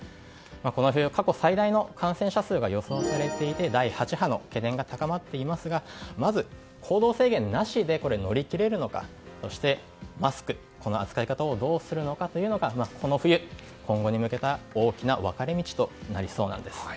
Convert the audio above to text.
この冬、過去最大の感染者数が予想されていて第８波の懸念が高まっていますがまず行動制限なしで乗り切れるのかそして、マスクの扱い方をどうするのかというのがこの冬、今後に向けた大きな分かれ道となりそうです。